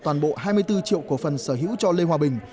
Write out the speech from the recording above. toàn bộ hai mươi bốn triệu cổ phần sở hữu cho lê hòa bình